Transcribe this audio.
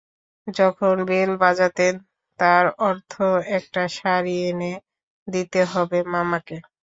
যখন বেল বাজাতেন তার অর্থ একটা শাড়ি এনে দিতে হবে মামাকে।